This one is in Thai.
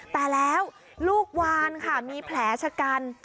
แต่แล้วลูกวานค่ะมีแผลชะกัน